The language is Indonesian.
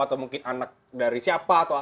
atau mungkin anak dari siapa atau